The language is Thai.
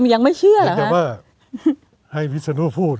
ยังไม่เชื่อแต่ว่าให้วิศนุพูด